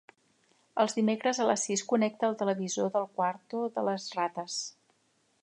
Els dimecres a les sis connecta el televisor del quarto de les rates.